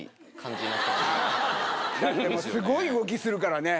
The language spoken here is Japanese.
すごい動きするからね。